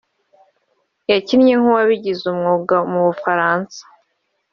yakinnye nk’uwabigize umwuga mu Bufaransa